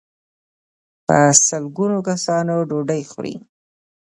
په سل ګونو کسان ډوډۍ خوري.